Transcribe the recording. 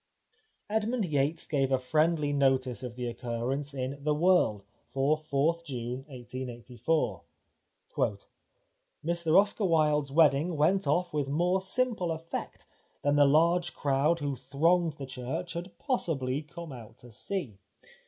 Edmund Yates gave a friendly notice of the occurrence in The World for 4th 254 The Life of Oscar Wilde June 1884 :—" Mr Oscar Wilde's wedding went off with more simple effect than the large crowd who thronged the church had possibly come out to see.